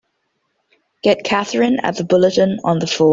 Get Katherine at the Bulletin on the phone!